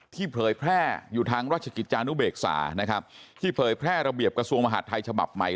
เผยแพร่อยู่ทางราชกิจจานุเบกษานะครับที่เผยแพร่ระเบียบกระทรวงมหาดไทยฉบับใหม่